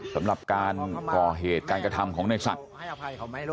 สำหรับการก่อเหตุการกระทำของในศักดิ์